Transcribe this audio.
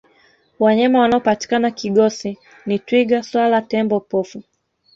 wanyama wanaopatikana kigosi ni twiga swala tembo pofu